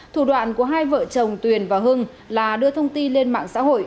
thủ đoạn của hai vợ chồng tuyền và hưng là đưa thông tin lên mạng xã hội